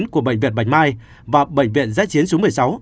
của bệnh viện bạch mai và bệnh viện giá chiến xuống một mươi sáu